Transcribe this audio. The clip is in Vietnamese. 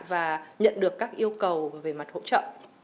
và nhận được các yêu cầu về mặt hỗ trợ